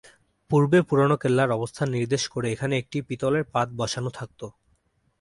পূর্বে পুরনো কেল্লার অবস্থান নির্দেশ করে এখানে একটি পিতলের পাত বসানো থাকত।